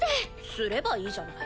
すればいいじゃない。